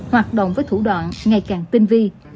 hoạt động với thủ đoạn ngày càng tinh vi